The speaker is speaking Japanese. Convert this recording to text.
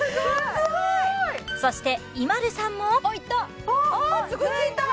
そしてＩＭＡＬＵさんもおっいった！